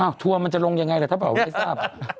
อ้าวทัวร์มันจะลงยังไงล่ะถ้าบอกว่าไม่ทราบ